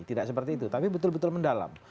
tidak seperti itu tapi betul betul mendalam